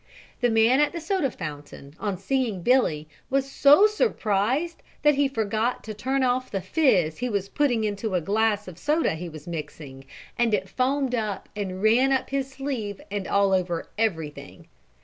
The man at the soda fountain on seeing Billy was so surprised that he forgot to turn off the fizz he was putting into a glass of soda he was mixing, and it foamed up and ran up his sleeve and all over everything.